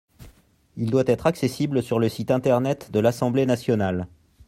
Il doit être accessible sur le site internet de l’Assemblée nationale.